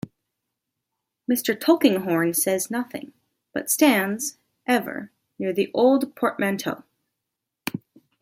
Mr. Tulkinghorn says nothing, but stands, ever, near the old portmanteau.